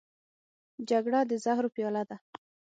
جګړه د زهرو پیاله ده